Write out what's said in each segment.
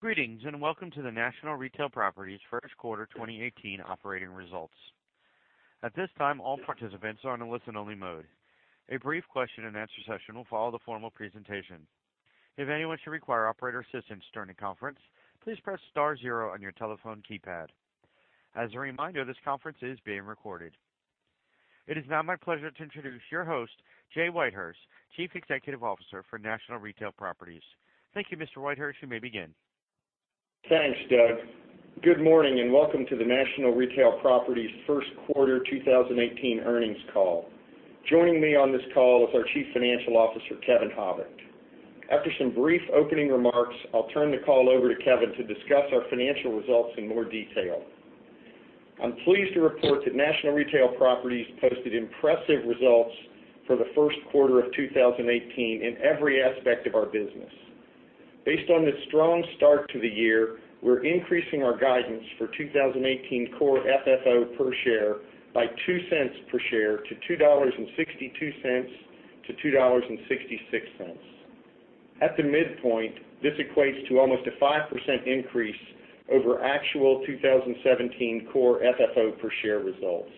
Greetings, and welcome to the National Retail Properties first quarter 2018 operating results. At this time, all participants are in a listen-only mode. A brief question and answer session will follow the formal presentation. If anyone should require operator assistance during the conference, please press star zero on your telephone keypad. As a reminder, this conference is being recorded. It is now my pleasure to introduce your host, Jay Whitehurst, Chief Executive Officer for National Retail Properties. Thank you, Mr. Whitehurst. You may begin. Thanks, Doug. Good morning and welcome to the National Retail Properties first quarter 2018 earnings call. Joining me on this call is our Chief Financial Officer, Kevin Habicht. After some brief opening remarks, I'll turn the call over to Kevin to discuss our financial results in more detail. I'm pleased to report that National Retail Properties posted impressive results for the first quarter of 2018 in every aspect of our business. Based on this strong start to the year, we're increasing our guidance for 2018 Core FFO per share by $0.02 per share to $2.62-$2.66. At the midpoint, this equates to almost a 5% increase over actual 2017 Core FFO per share results.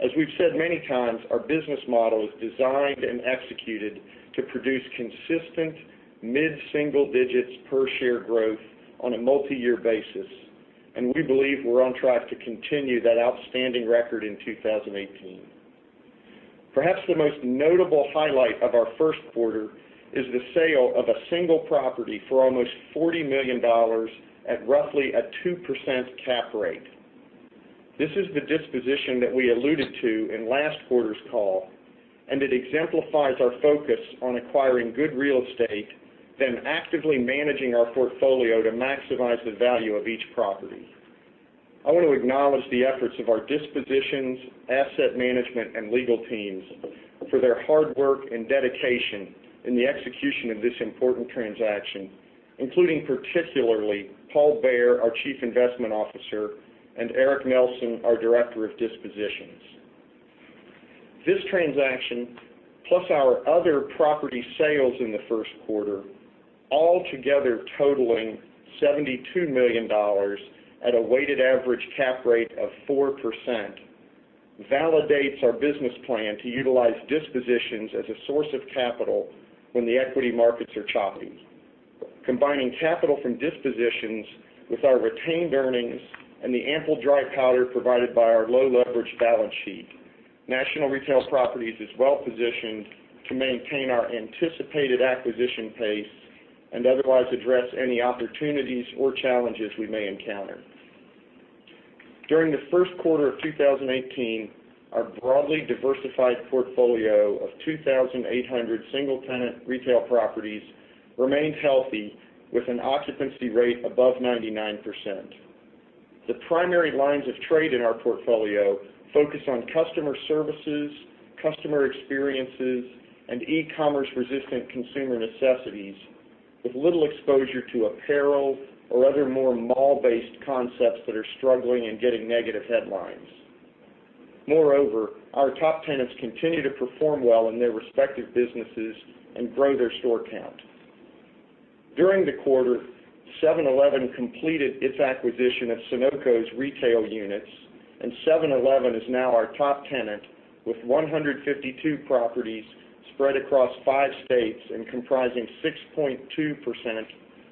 As we've said many times, our business model is designed and executed to produce consistent mid-single digits per share growth on a multi-year basis, and we believe we're on track to continue that outstanding record in 2018. Perhaps the most notable highlight of our first quarter is the sale of a single property for almost $40 million at roughly a 2% cap rate. This is the disposition that we alluded to in last quarter's call, and it exemplifies our focus on acquiring good real estate, then actively managing our portfolio to maximize the value of each property. I want to acknowledge the efforts of our dispositions, asset management, and legal teams for their hard work and dedication in the execution of this important transaction, including particularly Paul Bayer, our Chief Investment Officer, and Eric Nelson, our Director of Dispositions. This transaction, plus our other property sales in the first quarter, altogether totaling $72 million at a weighted average cap rate of 4%, validates our business plan to utilize dispositions as a source of capital when the equity markets are choppy. Combining capital from dispositions with our retained earnings and the ample dry powder provided by our low-leverage balance sheet, National Retail Properties is well-positioned to maintain our anticipated acquisition pace and otherwise address any opportunities or challenges we may encounter. During the first quarter of 2018, our broadly diversified portfolio of 2,800 single-tenant retail properties remained healthy with an occupancy rate above 99%. The primary lines of trade in our portfolio focus on customer services, customer experiences, and e-commerce-resistant consumer necessities with little exposure to apparel or other more mall-based concepts that are struggling and getting negative headlines. Moreover, our top tenants continue to perform well in their respective businesses and grow their store count. During the quarter, 7-Eleven completed its acquisition of Sunoco's retail units, and 7-Eleven is now our top tenant with 152 properties spread across five states and comprising 6.2%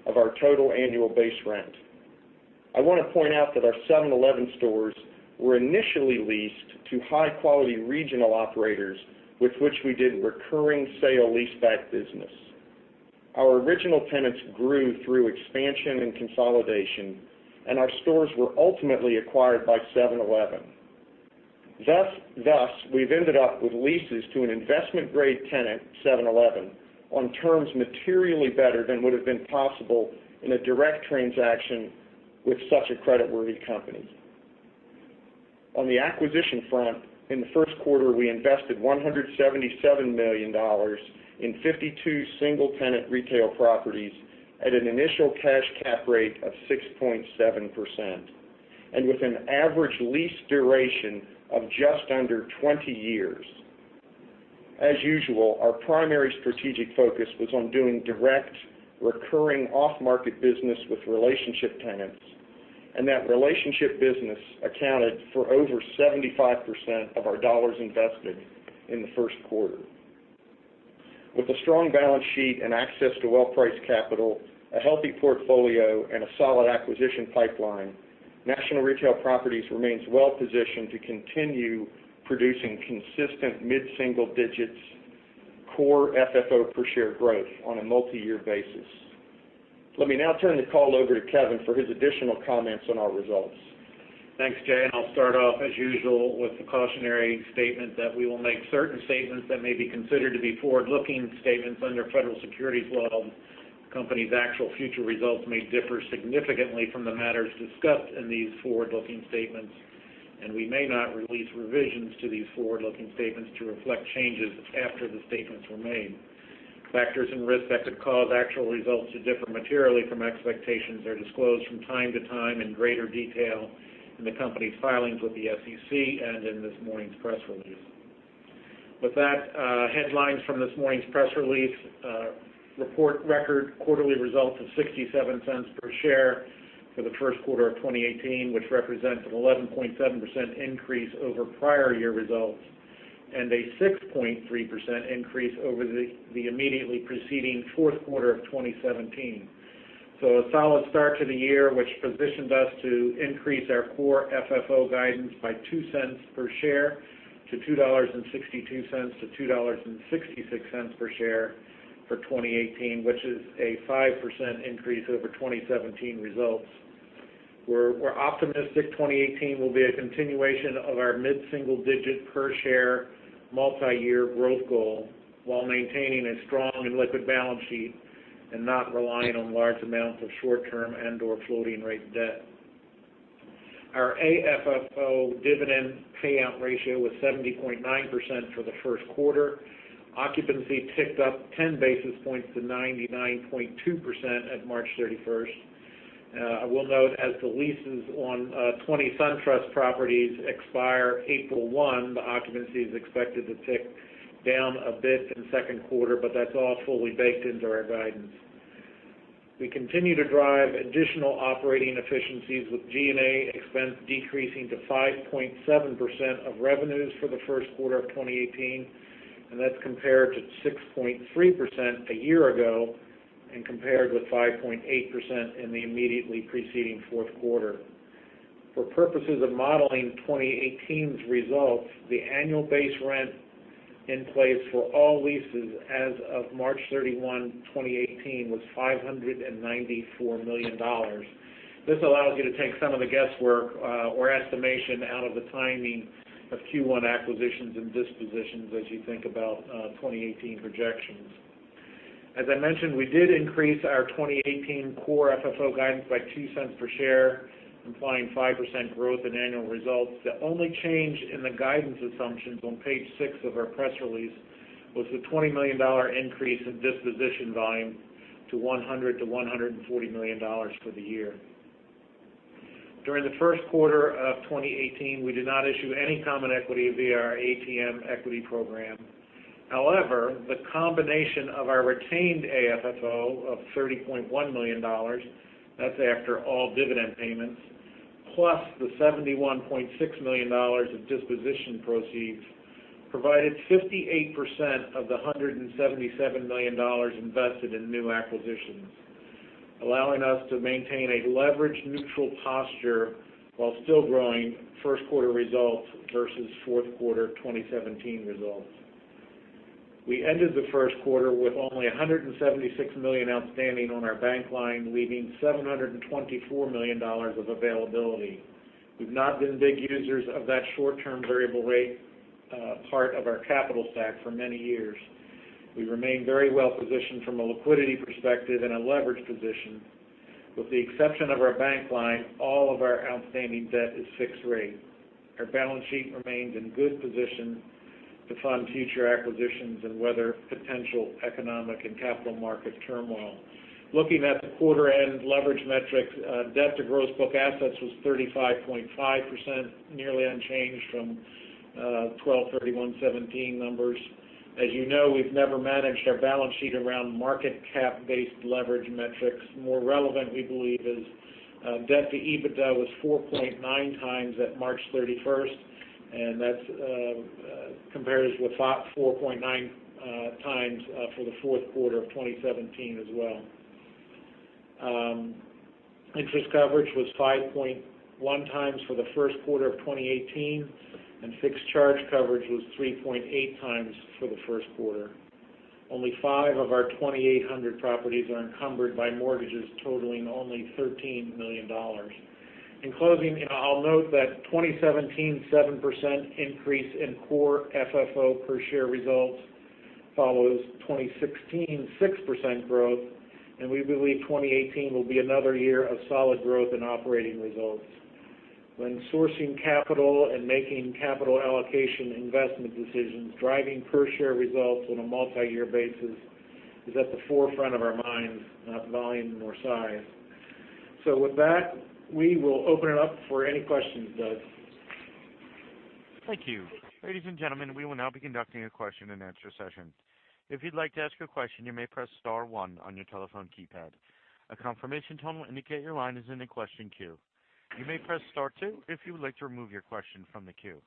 of our total annual base rent. I want to point out that our 7-Eleven stores were initially leased to high-quality regional operators with which we did recurring sale-leaseback business. Our original tenants grew through expansion and consolidation, and our stores were ultimately acquired by 7-Eleven. Thus, we've ended up with leases to an investment-grade tenant, 7-Eleven, on terms materially better than would've been possible in a direct transaction with such a creditworthy company. On the acquisition front, in the first quarter, we invested $177 million in 52 single-tenant retail properties at an initial cash cap rate of 6.7%, and with an average lease duration of just under 20 years. As usual, our primary strategic focus was on doing direct, recurring off-market business with relationship tenants, and that relationship business accounted for over 75% of our dollars invested in the first quarter. With a strong balance sheet and access to well-priced capital, a healthy portfolio, and a solid acquisition pipeline, National Retail Properties remains well-positioned to continue producing consistent mid-single-digits Core FFO per share growth on a multi-year basis. Let me now turn the call over to Kevin for his additional comments on our results. Thanks, Jay. I'll start off as usual with the cautionary statement that we will make certain statements that may be considered to be forward-looking statements under federal securities law. The company's actual future results may differ significantly from the matters discussed in these forward-looking statements, and we may not release revisions to these forward-looking statements to reflect changes after the statements were made. Factors and risks that could cause actual results to differ materially from expectations are disclosed from time to time in greater detail in the company's filings with the SEC and in this morning's press release. Headlines from this morning's press release report record quarterly results of $0.67 per share for the first quarter of 2018, which represents an 11.7% increase over prior year results, and a 6.3% increase over the immediately preceding fourth quarter of 2017. A solid start to the year, which positions us to increase our Core FFO guidance by $0.02 per share to $2.62-$2.66 per share for 2018, which is a 5% increase over 2017 results. We're optimistic 2018 will be a continuation of our mid-single-digit per share multi-year growth goal, while maintaining a strong and liquid balance sheet and not relying on large amounts of short-term and/or floating rate debt. Our AFFO dividend payout ratio was 70.9% for the first quarter. Occupancy ticked up 10 basis points to 99.2% at March 31st. I will note as the leases on 20 SunTrust properties expire April 1, the occupancy is expected to tick down a bit in the second quarter, but that's all fully baked into our guidance. We continue to drive additional operating efficiencies with G&A expense decreasing to 5.7% of revenues for the first quarter of 2018, that's compared to 6.3% a year ago and compared with 5.8% in the immediately preceding fourth quarter. For purposes of modeling 2018's results, the annual base rent in place for all leases as of March 31, 2018, was $594 million. This allows you to take some of the guesswork or estimation out of the timing of Q1 acquisitions and dispositions as you think about 2018 projections. As I mentioned, we did increase our 2018 Core FFO guidance by $0.02 per share, implying 5% growth in annual results. The only change in the guidance assumptions on page six of our press release was the $20 million increase in disposition volume to $100 million-$140 million for the year. During the first quarter of 2018, we did not issue any common equity via our ATM equity program. However, the combination of our retained AFFO of $30.1 million, that's after all dividend payments, plus the $71.6 million of disposition proceeds, provided 58% of the $177 million invested in new acquisitions, allowing us to maintain a leverage-neutral posture while still growing first quarter results versus fourth quarter 2017 results. We ended the first quarter with only $176 million outstanding on our bank line, leaving $724 million of availability. We've not been big users of that short-term variable rate part of our capital stack for many years. We remain very well-positioned from a liquidity perspective and a leverage position. With the exception of our bank line, all of our outstanding debt is fixed rate. Our balance sheet remains in good position to fund future acquisitions and weather potential economic and capital market turmoil. Looking at the quarter-end leverage metrics, debt to gross book assets was 35.5%, nearly unchanged from 12/31/2017 numbers. As you know, we've never managed our balance sheet around market cap-based leverage metrics. More relevant, we believe, is debt to EBITDA was 4.9 times at March 31st, and that compares with 4.9 times for the fourth quarter of 2017 as well. Interest coverage was 5.1 times for the first quarter of 2018, and fixed charge coverage was 3.8 times for the first quarter. Only five of our 2,800 properties are encumbered by mortgages totaling only $13 million. In closing, I'll note that 2017 7% increase in Core FFO per share results follows 2016 6% growth, and we believe 2018 will be another year of solid growth in operating results. When sourcing capital and making capital allocation investment decisions, driving per share results on a multi-year basis is at the forefront of our minds, not volume nor size. With that, we will open it up for any questions, Doug. Thank you. Ladies and gentlemen, we will now be conducting a question-and-answer session. If you'd like to ask a question, you may press star one on your telephone keypad. A confirmation tone will indicate your line is in the question queue. You may press star two if you would like to remove your question from the queue.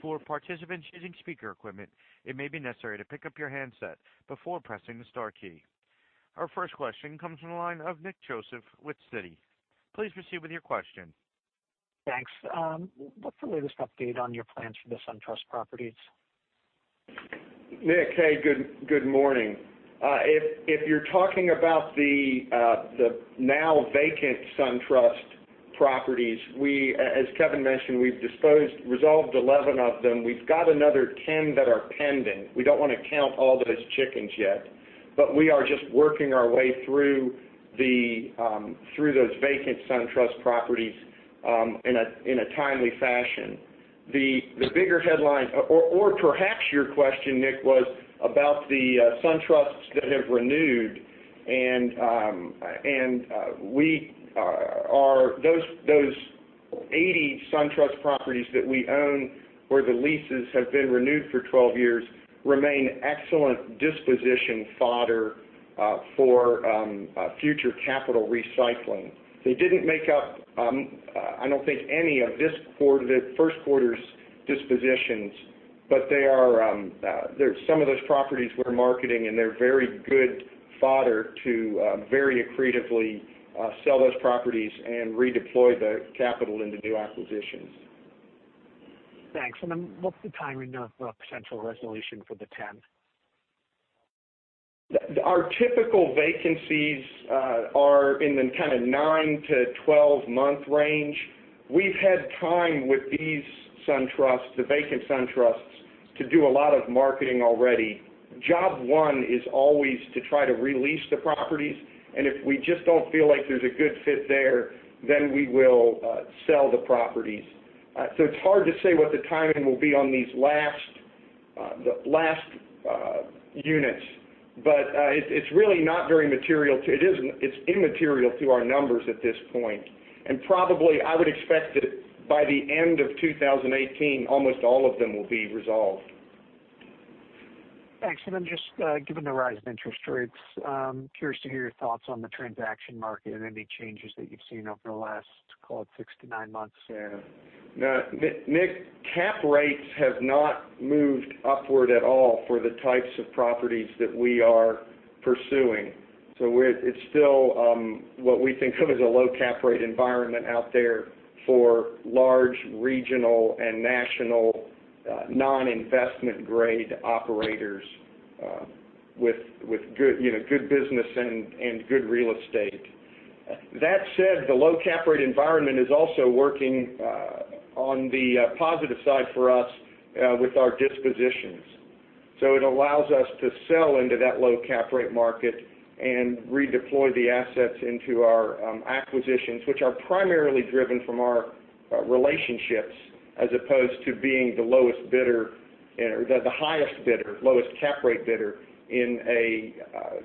For participants using speaker equipment, it may be necessary to pick up your handset before pressing the star key. Our first question comes from the line of Nick Joseph with Citi. Please proceed with your question. Thanks. What's the latest update on your plans for the SunTrust properties? Nick, hey, good morning. If you're talking about the now vacant SunTrust properties, as Kevin mentioned, we've disposed, resolved 11 of them. We've got another 10 that are pending. We don't want to count all those chickens yet, but we are just working our way through those vacant SunTrust properties in a timely fashion. Perhaps your question, Nick, was about the SunTrusts that have renewed, and those 80 SunTrust properties that we own, where the leases have been renewed for 12 years, remain excellent disposition fodder for future capital recycling. They didn't make up, I don't think, any of this first quarter's dispositions, but some of those properties we're marketing, and they're very good fodder to very accretively sell those properties and redeploy the capital into new acquisitions. Thanks. What's the timing of potential resolution for the 10? Our typical vacancies are in the nine to 12-month range. We've had time with these SunTrust, the vacant SunTrusts, to do a lot of marketing already. Job one is always to try to re-lease the properties. If we just don't feel like there's a good fit there, we will sell the properties. It's hard to say what the timing will be on these last units. It's really not very material. It's immaterial to our numbers at this point. Probably, I would expect that by the end of 2018, almost all of them will be resolved. Thanks. Just, given the rise in interest rates, curious to hear your thoughts on the transaction market and any changes that you've seen over the last, call it six to nine months there. Nick, cap rates have not moved upward at all for the types of properties that we are pursuing. It's still what we think of as a low cap rate environment out there for large regional and national non-investment grade operators, with good business and good real estate. That said, the low cap rate environment is also working on the positive side for us with our dispositions. It allows us to sell into that low cap rate market and redeploy the assets into our acquisitions, which are primarily driven from our relationships as opposed to being the highest bidder, lowest cap rate bidder, in a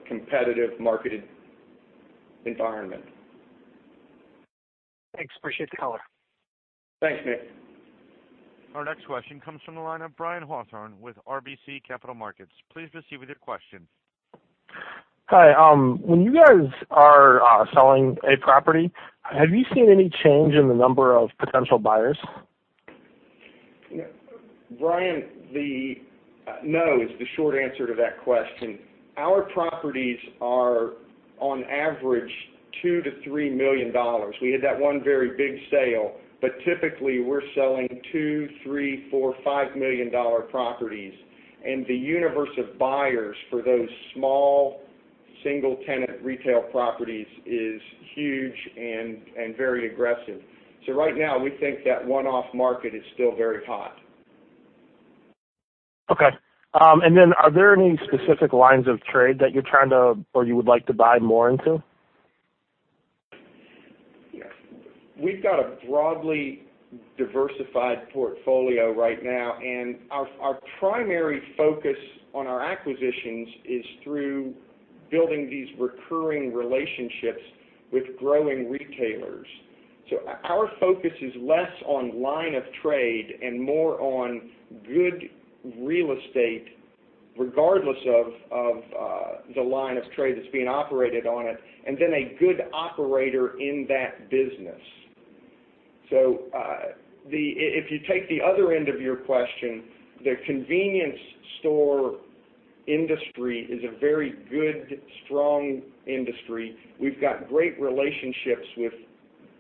competitive marketed environment. Thanks. Appreciate the color. Thanks, Nick. Our next question comes from the line of Brian Hawthorne with RBC Capital Markets. Please proceed with your question. Hi. When you guys are selling a property, have you seen any change in the number of potential buyers? Brian, no is the short answer to that question. Our properties are, on average, $2 million-$3 million. We had that one very big sale. Typically, we're selling $2 million, $3 million, $4 million, $5 million properties. The universe of buyers for those small single-tenant retail properties is huge and very aggressive. Right now, we think that one-off market is still very hot. Okay. Are there any specific lines of trade that you're trying to, or you would like to buy more into? We've got a broadly diversified portfolio right now, and our primary focus on our acquisitions is through building these recurring relationships with growing retailers. Our focus is less on line of trade and more on good real estate, regardless of the line of trade that's being operated on it, and then a good operator in that business. If you take the other end of your question, the convenience store industry is a very good, strong industry. We've got great relationships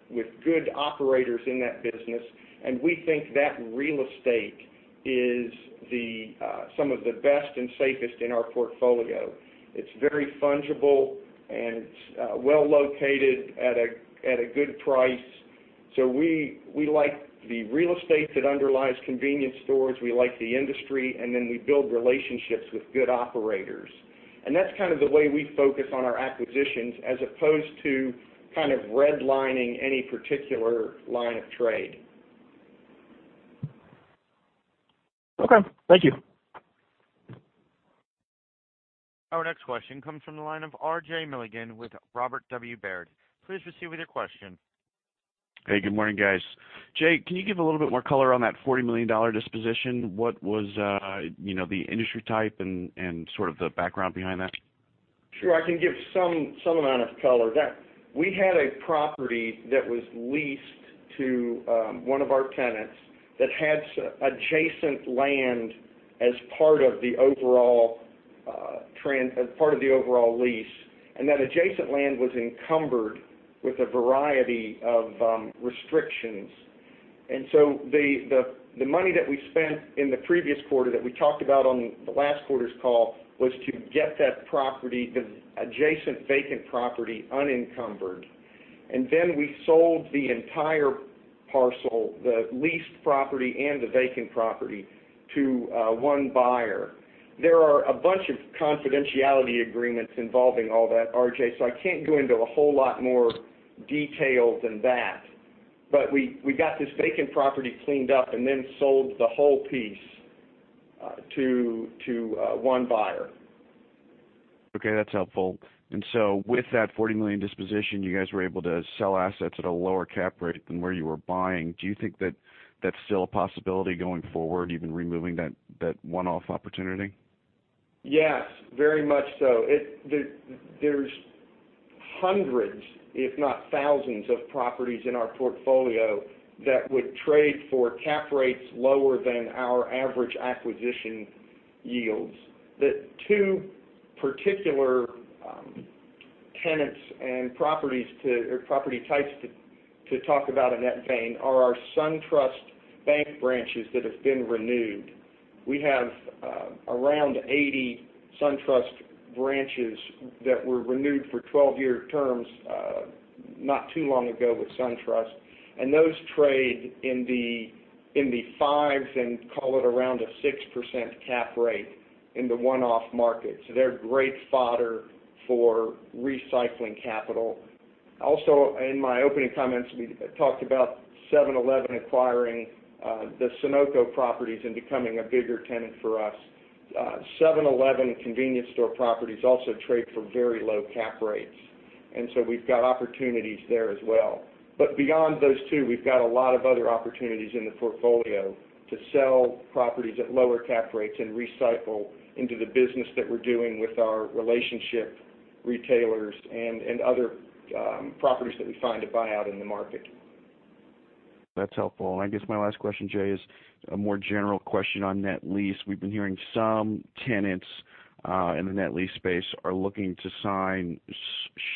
with good operators in that business, and we think that real estate is some of the best and safest in our portfolio. It's very fungible, and it's well-located at a good price. We like the real estate that underlies convenience stores. We like the industry, we build relationships with good operators. That's kind of the way we focus on our acquisitions as opposed to kind of redlining any particular line of trade. Okay. Thank you. Our next question comes from the line of RJ Milligan with Robert W. Baird. Please proceed with your question. Hey, good morning, guys. Jay, can you give a little bit more color on that $40 million disposition? What was the industry type and sort of the background behind that? Sure. I can give some amount of color. We had a property that was leased to one of our tenants that had adjacent land as part of the overall lease, and that adjacent land was encumbered with a variety of restrictions. So the money that we spent in the previous quarter that we talked about on the last quarter's call, was to get that property, the adjacent vacant property, unencumbered. Then we sold the entire parcel, the leased property and the vacant property, to one buyer. There are a bunch of confidentiality agreements involving all that, RJ, so I can't go into a whole lot more detail than that. We got this vacant property cleaned up and then sold the whole piece to one buyer. That's helpful. With that $40 million disposition, you guys were able to sell assets at a lower cap rate than where you were buying. Do you think that that's still a possibility going forward, even removing that one-off opportunity? Yes, very much so. There's hundreds, if not thousands, of properties in our portfolio that would trade for cap rates lower than our average acquisition yields. The two particular tenants and property types to talk about in that vein are our SunTrust Bank branches that have been renewed. We have around 80 SunTrust branches that were renewed for 12-year terms not too long ago with SunTrust, and those trade in the fives and call it around a 6% cap rate in the one-off market. They are great fodder for recycling capital. Also, in my opening comments, we talked about 7-Eleven acquiring the Sunoco properties and becoming a bigger tenant for us. 7-Eleven convenience store properties also trade for very low cap rates, we've got opportunities there as well. Beyond those two, we've got a lot of other opportunities in the portfolio to sell properties at lower cap rates and recycle into the business that we're doing with our relationship retailers and other properties that we find to buy out in the market. That's helpful. I guess my last question, Jay, is a more general question on net lease. We've been hearing some tenants in the net lease space are looking to sign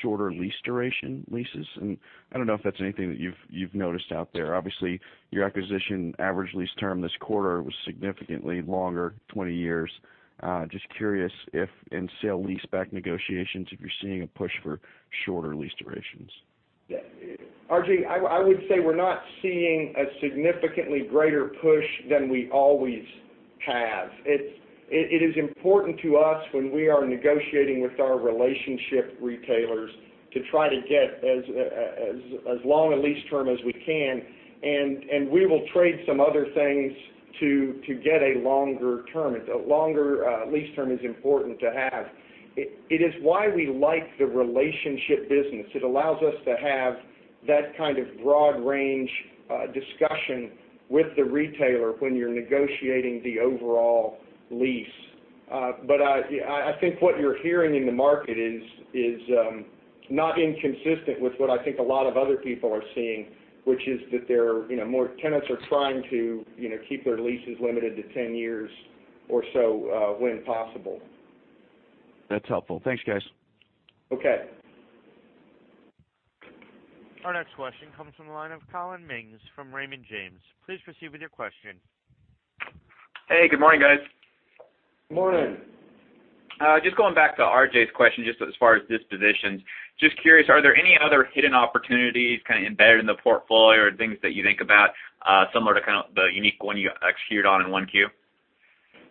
shorter lease duration leases, and I don't know if that's anything that you've noticed out there. Obviously, your acquisition average lease term this quarter was significantly longer, 20 years. Just curious if in sale-leaseback negotiations, if you're seeing a push for shorter lease durations. RJ, I would say we're not seeing a significantly greater push than we always have. It is important to us when we are negotiating with our relationship retailers to try to get as long a lease term as we can, and we will trade some other things to get a longer term. A longer lease term is important to have. It is why we like the relationship business. It allows us to have that kind of broad range discussion with the retailer when you're negotiating the overall lease. I think what you're hearing in the market is not inconsistent with what I think a lot of other people are seeing, which is that more tenants are trying to keep their leases limited to 10 years or so when possible. That's helpful. Thanks, guys. Okay. Our next question comes from the line of Collin Mings from Raymond James. Please proceed with your question. Hey, good morning, guys. Morning. Just going back to RJ's question, just as far as dispositions. Just curious, are there any other hidden opportunities kind of embedded in the portfolio or things that you think about similar to kind of the unique one you executed on in 1Q?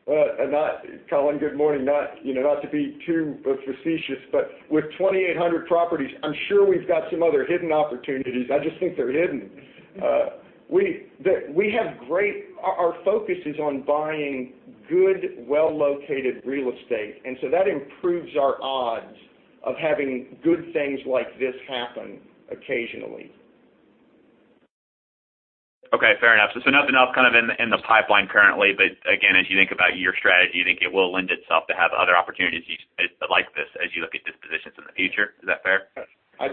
Well, Collin, good morning. Not to be too facetious, but with 2,800 properties, I'm sure we've got some other hidden opportunities. I just think they're hidden. That improves our odds of having good things like this happen occasionally. Okay, fair enough. Nothing else kind of in the pipeline currently, again, as you think about your strategy, you think it will lend itself to have other opportunities like this as you look at dispositions in the future? Is that fair?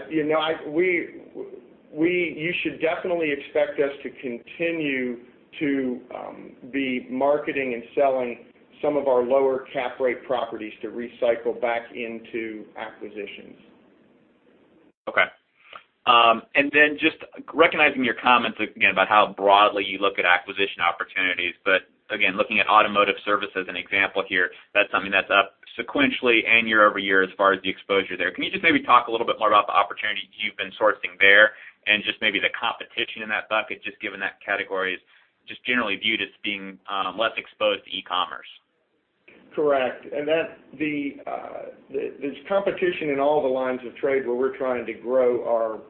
You should definitely expect us to continue to be marketing and selling some of our lower cap rate properties to recycle back into acquisitions. Okay. Then just recognizing your comments again about how broadly you look at acquisition opportunities, but again, looking at automotive service as an example here, that's something that's up sequentially and year-over-year as far as the exposure there. Can you just maybe talk a little bit more about the opportunities you've been sourcing there and just maybe the competition in that bucket, just given that category is just generally viewed as being less exposed to e-commerce? Correct. There's competition in all the lines of trade where we're trying to grow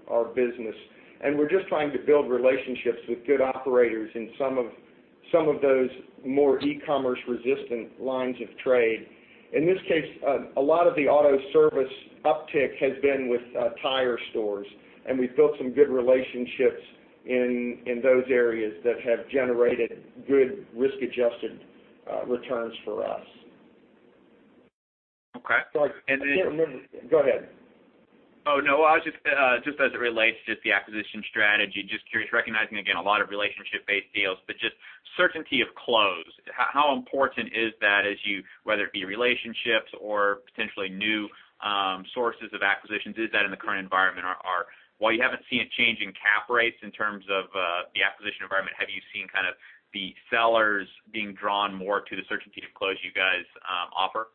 our business, and we're just trying to build relationships with good operators in some of those more e-commerce resistant lines of trade. In this case, a lot of the auto service uptick has been with tire stores, and we've built some good relationships in those areas that have generated good risk-adjusted returns for us. Okay. Go ahead. Just as it relates to the acquisition strategy, just curious, recognizing, again, a lot of relationship-based deals, but just certainty of close. How important is that as you, whether it be relationships or potentially new sources of acquisitions, is that in the current environment? While you haven't seen a change in cap rates in terms of the acquisition environment, have you seen kind of the sellers being drawn more to the certainty of close you guys offer?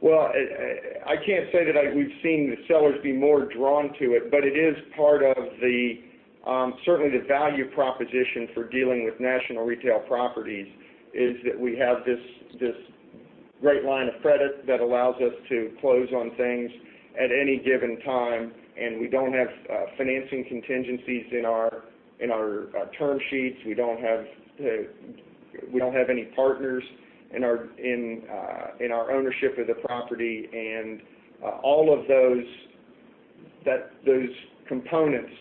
Well, I can't say that we've seen the sellers be more drawn to it, but it is part of certainly the value proposition for dealing with National Retail Properties is that we have this great line of credit that allows us to close on things at any given time, and we don't have financing contingencies in our term sheets. We don't have any partners in our ownership of the property. All of those components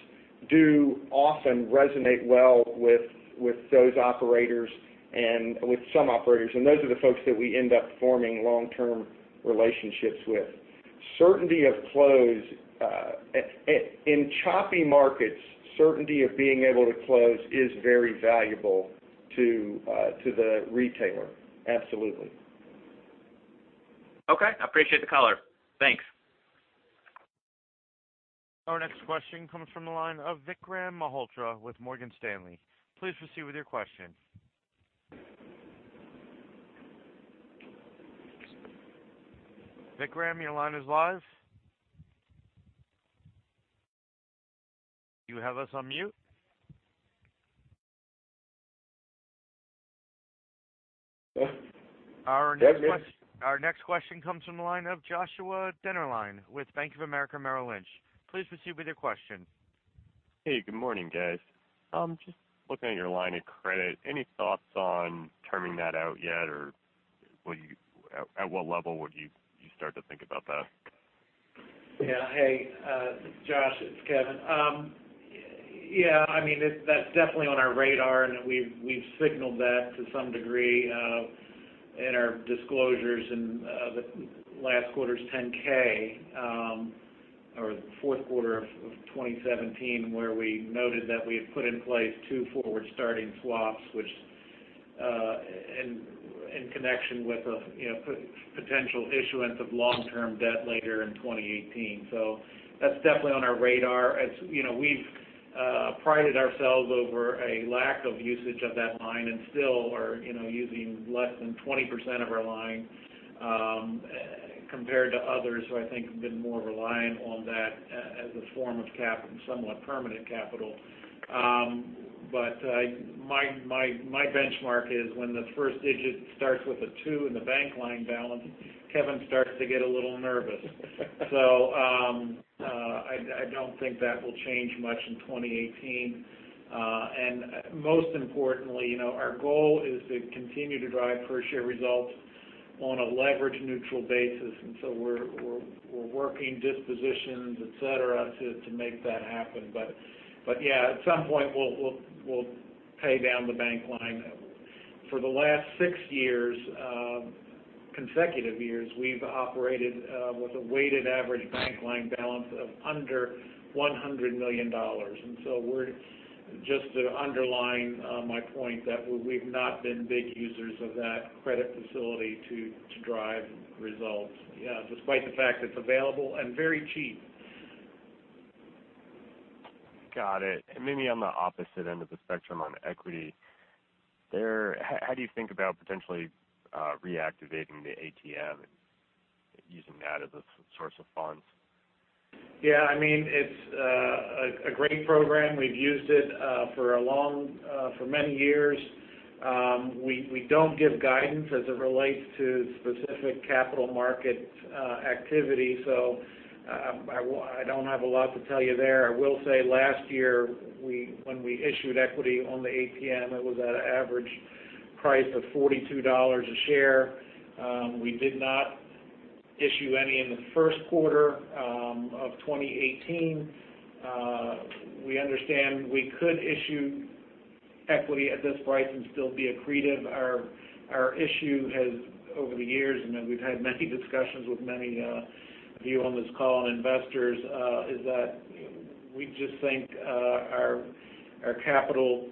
do often resonate well with some operators. Those are the folks that we end up forming long-term relationships with. Certainty of close. In choppy markets, certainty of being able to close is very valuable to the retailer, absolutely. Okay. I appreciate the color. Thanks. Our next question comes from the line of Vikram Malhotra with Morgan Stanley. Please proceed with your question. Vikram, your line is live. You have us on mute. Yes. Our next question comes from the line of Joshua Dennerlein with Bank of America Merrill Lynch. Please proceed with your question. Hey, good morning, guys. Looking at your line of credit, any thoughts on terming that out yet? At what level would you start to think about that? Hey, Josh, it's Kevin. That's definitely on our radar, and we've signaled that to some degree in our disclosures in the last quarter's 10-K, or the fourth quarter of 2017, where we noted that we had put in place two forward-starting swaps in connection with a potential issuance of long-term debt later in 2018. That's definitely on our radar. We've prided ourselves over a lack of usage of that line and still are using less than 20% of our line, compared to others who I think have been more reliant on that as a form of somewhat permanent capital. My benchmark is when the first digit starts with a two in the bank line balance, Kevin starts to get a little nervous. I don't think that will change much in 2018. Most importantly, our goal is to continue to drive per share results on a leverage-neutral basis. We're working dispositions, et cetera, to make that happen. At some point, we'll pay down the bank line. For the last six consecutive years, we've operated with a weighted average bank line balance of under $100 million. Just to underline my point that we've not been big users of that credit facility to drive results, despite the fact it's available and very cheap. Got it. Maybe on the opposite end of the spectrum on equity, how do you think about potentially reactivating the ATM and using that as a source of funds? Yeah, it's a great program. We've used it for many years. We don't give guidance as it relates to specific capital market activity, I don't have a lot to tell you there. I will say last year, when we issued equity on the ATM, it was at an average price of $42 a share. We did not issue any in the first quarter of 2018. We understand we could issue equity at this price and still be accretive. Our issue has, over the years, and we've had many discussions with many of you on this call and investors, is that we just think our capital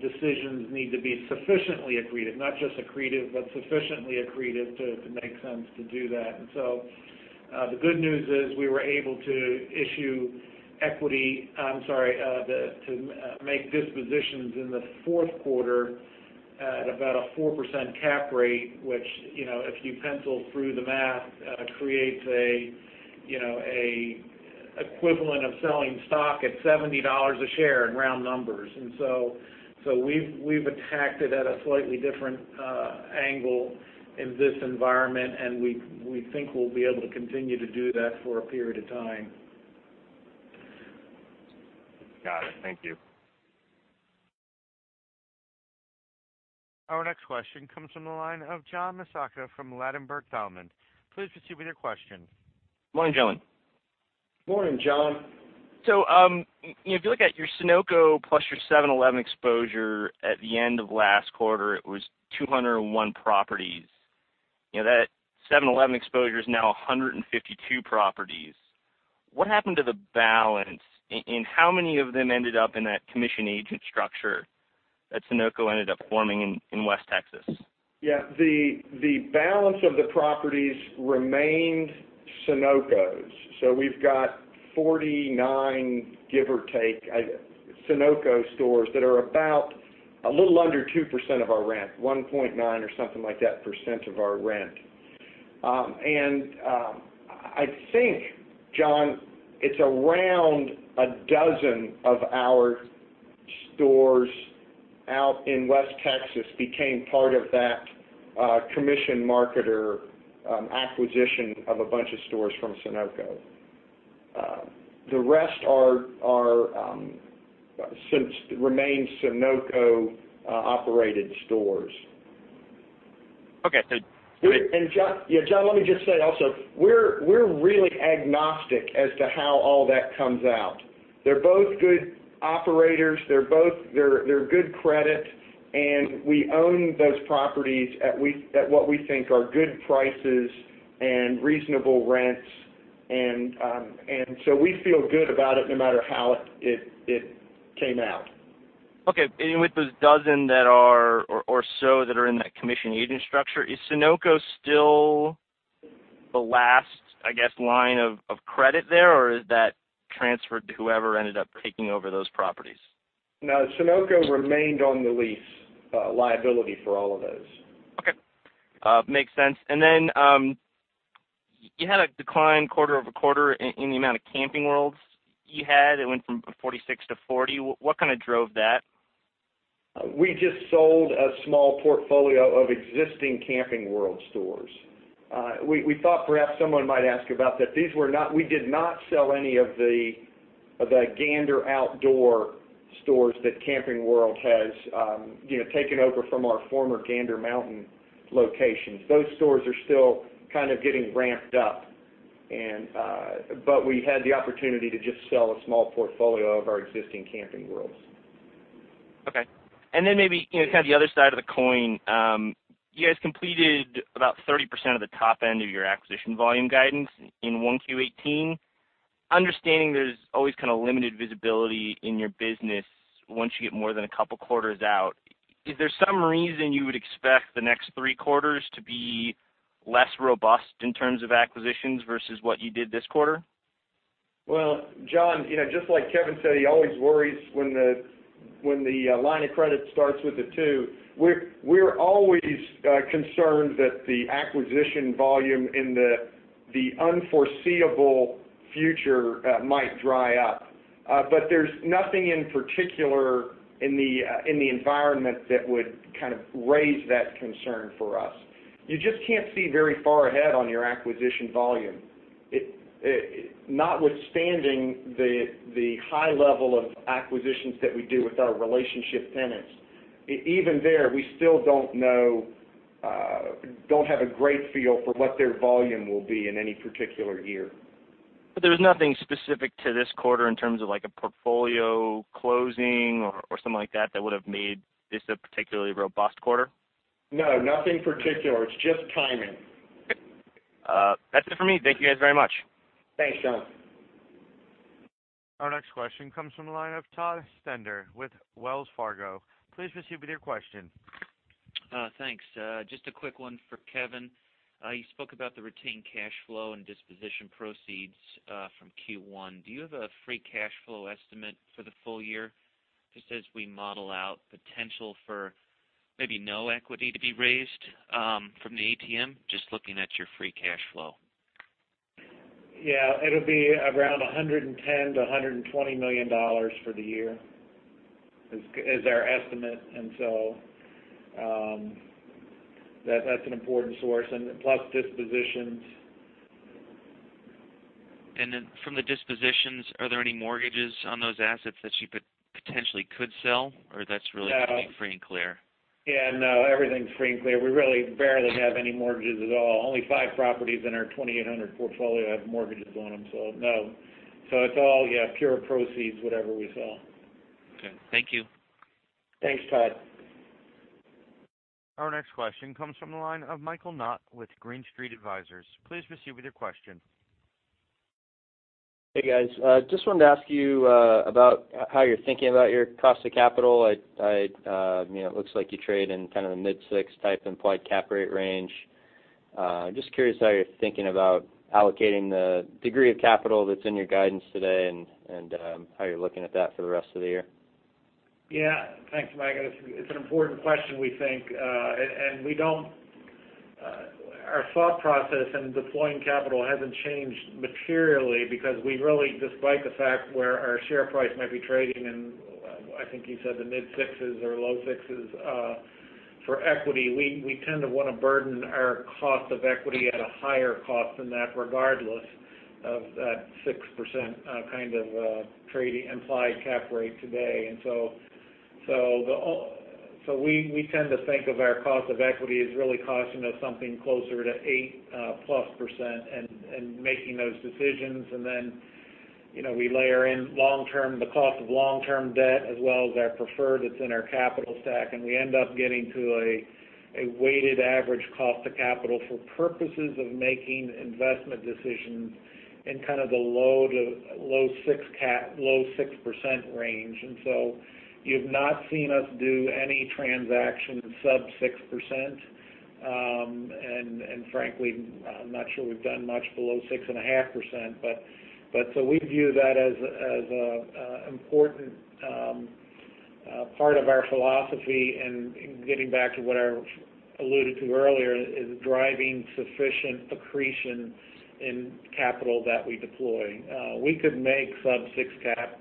decisions need to be sufficiently accretive, not just accretive, but sufficiently accretive to make sense to do that. The good news is we were able to make dispositions in the fourth quarter at about a 4% cap rate, which if you pencil through the math, creates an equivalent of selling stock at $70 a share in round numbers. We've attacked it at a slightly different angle in this environment, and we think we'll be able to continue to do that for a period of time. Got it. Thank you. Our next question comes from the line of John Massocca from Ladenburg Thalmann. Please proceed with your question. Good morning, gentlemen. Good morning, John. If you look at your Sunoco plus your 7-Eleven exposure at the end of last quarter, it was 201 properties. That 7-Eleven exposure is now 152 properties. What happened to the balance, and how many of them ended up in that commission agent structure that Sunoco ended up forming in West Texas? The balance of the properties remained Sunoco's. We've got 49, give or take, Sunoco stores that are about a little under 2% of our rent, 1.9% or something like that, of our rent. I think, John, it's around a dozen of our stores out in West Texas became part of that commission marketer acquisition of a bunch of stores from Sunoco. The rest remain Sunoco-operated stores. Okay. John, let me just say also, we're really agnostic as to how all that comes out. They're both good operators, they're good credit, we own those properties at what we think are good prices and reasonable rents. We feel good about it no matter how it came out. With those dozen or so that are in that commission agent structure, is Sunoco still the last, I guess, line of credit there, or is that transferred to whoever ended up taking over those properties? No, Sunoco remained on the lease liability for all of those. Okay. Makes sense. Then, you had a decline quarter-over-quarter in the amount of Camping World you had. It went from 46 to 40. What drove that? We just sold a small portfolio of existing Camping World stores. We thought perhaps someone might ask about that. We did not sell any of the Gander Outdoors stores that Camping World has taken over from our former Gander Mountain locations. Those stores are still kind of getting ramped up. We had the opportunity to just sell a small portfolio of our existing Camping Worlds. Okay. Then maybe, kind of the other side of the coin, you guys completed about 30% of the top end of your acquisition volume guidance in 1Q18. Understanding there's always kind of limited visibility in your business once you get more than a couple of quarters out, is there some reason you would expect the next three quarters to be less robust in terms of acquisitions versus what you did this quarter? Well, John, just like Kevin said, he always worries when the line of credit starts with a two. We're always concerned that the acquisition volume in the unforeseeable future might dry up. There's nothing in particular in the environment that would kind of raise that concern for us. You just can't see very far ahead on your acquisition volume. Notwithstanding the high level of acquisitions that we do with our relationship tenants, even there, we still don't have a great feel for what their volume will be in any particular year. There was nothing specific to this quarter in terms of a portfolio closing or something like that would've made this a particularly robust quarter? No, nothing particular. It's just timing. Okay. That's it for me. Thank you guys very much. Thanks, John. Our next question comes from the line of Todd Stender with Wells Fargo. Please proceed with your question. Thanks. Just a quick one for Kevin. You spoke about the retained cash flow and disposition proceeds from Q1. Do you have a free cash flow estimate for the full year? Just as we model out potential for maybe no equity to be raised from the ATM, just looking at your free cash flow. Yeah, it'll be around $110 million-$120 million for the year, is our estimate. That's an important source and plus dispositions. Then from the dispositions, are there any mortgages on those assets that you potentially could sell? That's really- No everything free and clear Yeah, no, everything's free and clear. We really barely have any mortgages at all. Only five properties in our 2,800 portfolio have mortgages on them. No. It's all pure proceeds, whatever we sell. Okay. Thank you. Thanks, Todd. Our next question comes from the line of Michael Knott with Green Street Advisors. Please proceed with your question. Hey, guys. Just wanted to ask you about how you're thinking about your cost of capital. It looks like you trade in kind of the mid 6% type implied cap rate range. Just curious how you're thinking about allocating the degree of capital that's in your guidance today, and how you're looking at that for the rest of the year. Yeah. Thanks, Michael. It's an important question, we think. Our thought process in deploying capital hasn't changed materially because we really, despite the fact where our share price might be trading in, I think you said the mid 6s or low 6s, for equity, we tend to want to burden our cost of equity at a higher cost than that, regardless of that 6% kind of implied cap rate today. So we tend to think of our cost of equity as really costing us something closer to 8%+ and making those decisions. Then, we layer in the cost of long-term debt, as well as our preferred that's in our capital stack, and we end up getting to a weighted average cost of capital for purposes of making investment decisions in kind of the low 6% range. You've not seen us do any transaction sub 6%. Frankly, I'm not sure we've done much below 6.5%. We view that as an important part of our philosophy and getting back to what I alluded to earlier, is driving sufficient accretion in capital that we deploy. We could make sub 6 cap Acquisitions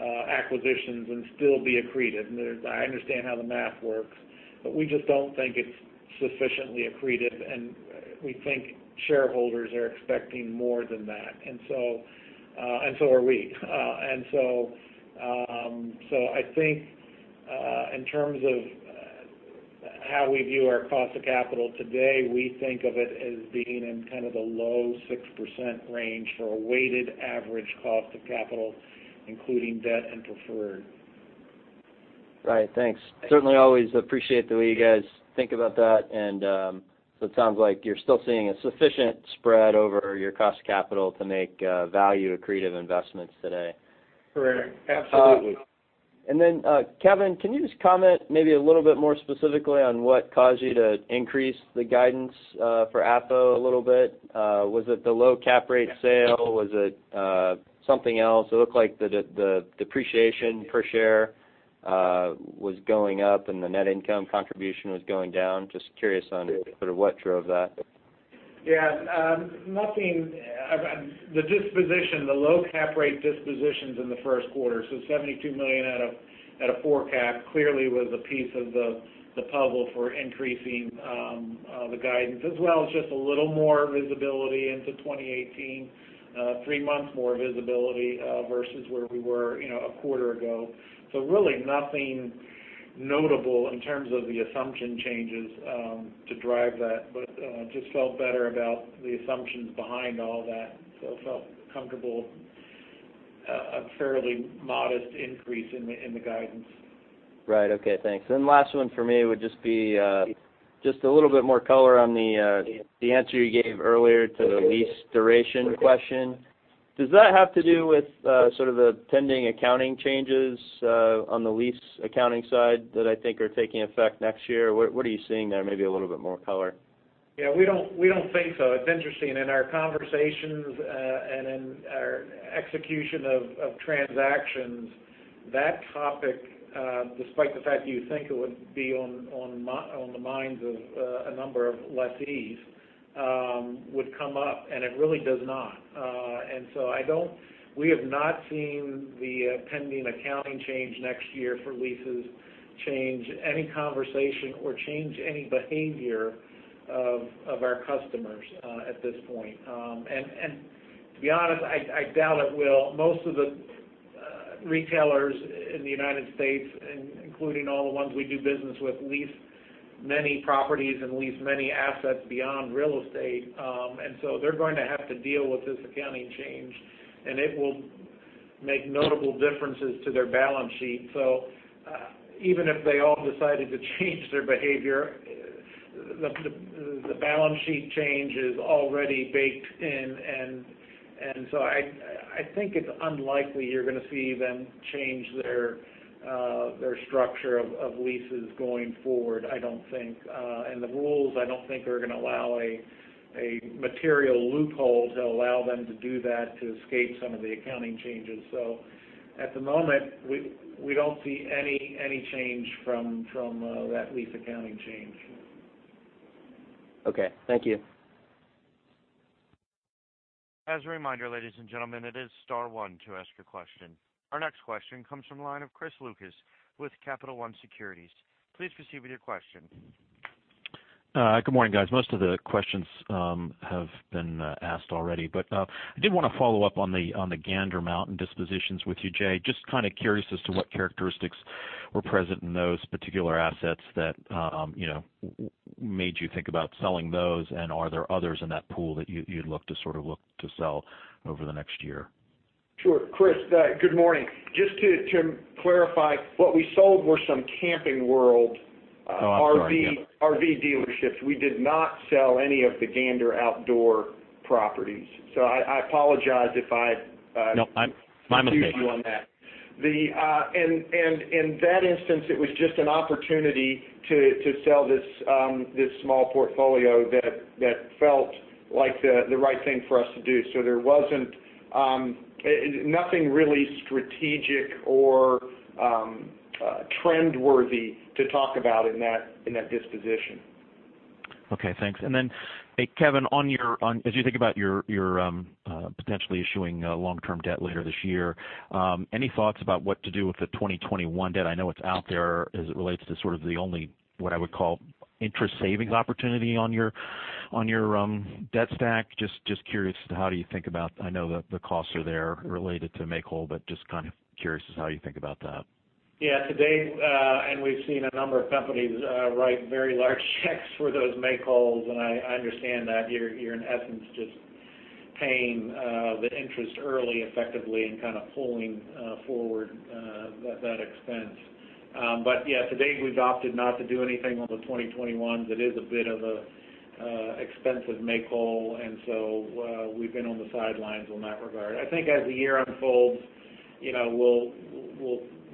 and still be accretive. I understand how the math works, we just don't think it's sufficiently accretive, and we think shareholders are expecting more than that. So are we. I think in terms of how we view our cost of capital today, we think of it as being in kind of the low 6% range for a weighted average cost of capital, including debt and preferred. Right. Thanks. Certainly always appreciate the way you guys think about that. It sounds like you're still seeing a sufficient spread over your cost of capital to make value-accretive investments today. Correct. Absolutely. Kevin, can you just comment maybe a little bit more specifically on what caused you to increase the guidance for FFO a little bit? Was it the low cap rate sale? Was it something else? It looked like the depreciation per share was going up and the net income contribution was going down. Just curious on sort of what drove that. Yeah. The disposition, the low cap rate dispositions in the first quarter. $72 million out of 4 cap, clearly was a piece of the puzzle for increasing the guidance, as well as just a little more visibility into 2018, three months more visibility, versus where we were a quarter ago. Really nothing notable in terms of the assumption changes to drive that, but just felt better about the assumptions behind all that. Felt comfortable, a fairly modest increase in the guidance. Right. Okay, thanks. Last one for me would just be, just a little bit more color on the answer you gave earlier to the lease duration question. Does that have to do with sort of the pending accounting changes on the lease accounting side that I think are taking effect next year? What are you seeing there? Maybe a little bit more color. Yeah, we don't think so. It's interesting. In our conversations and in our execution of transactions, that topic, despite the fact that you think it would be on the minds of a number of lessees, would come up, and it really does not. We have not seen the pending accounting change next year for leases change any conversation or change any behavior of our customers at this point. To be honest, I doubt it will. Most of the retailers in the U.S., including all the ones we do business with, lease many properties and lease many assets beyond real estate. They're going to have to deal with this accounting change, and it will make notable differences to their balance sheet. Even if they all decided to change their behavior, the balance sheet change is already baked in. I think it's unlikely you're going to see them change their structure of leases going forward, I don't think. The rules, I don't think, are going to allow a material loophole to allow them to do that, to escape some of the accounting changes. At the moment, we don't see any change from that lease accounting change. Okay. Thank you. As a reminder, ladies and gentlemen, it is star one to ask a question. Our next question comes from the line of Chris Lucas with Capital One Securities. Please proceed with your question. Good morning, guys. Most of the questions have been asked already. I did want to follow up on the Gander Mountain dispositions with you, Jay. Just kind of curious as to what characteristics were present in those particular assets that made you think about selling those. Are there others in that pool that you'd look to sort of look to sell over the next year? Sure. Chris, good morning. Just to clarify, what we sold were some Camping World- Oh, I'm sorry. Yeah RV dealerships. We did not sell any of the Gander Outdoors properties. I apologize if I- No, my mistake confused you on that. In that instance, it was just an opportunity to sell this small portfolio that felt like the right thing for us to do. Nothing really strategic or trend-worthy to talk about in that disposition. Okay, thanks. Hey, Kevin, as you think about potentially issuing long-term debt later this year, any thoughts about what to do with the 2021 debt? It's out there as it relates to sort of the only, what I would call, interest savings opportunity on your debt stack. I know the costs are there related to make-whole, but just kind of curious as to how you think about that. To date, we've seen a number of companies write very large checks for those make-wholes. I understand that you're in essence just paying the interest early effectively and kind of pulling forward that expense. To date, we've opted not to do anything on the 2021s. It is a bit of an expensive make-whole. We've been on the sidelines in that regard. I think as the year unfolds,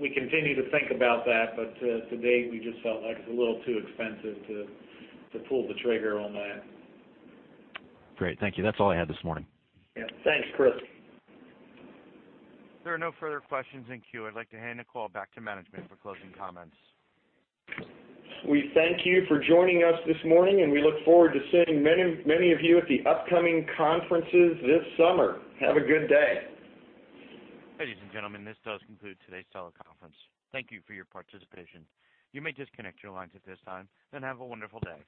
we continue to think about that. To date, we just felt like it's a little too expensive to pull the trigger on that. Great. Thank you. That's all I had this morning. Yeah. Thanks, Chris. There are no further questions in queue. I'd like to hand the call back to management for closing comments. We thank you for joining us this morning, and we look forward to seeing many of you at the upcoming conferences this summer. Have a good day. Ladies and gentlemen, this does conclude today's teleconference. Thank you for your participation. You may disconnect your lines at this time, and have a wonderful day.